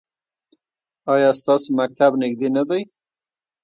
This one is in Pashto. ایا ستاسو مکتب نږدې نه دی؟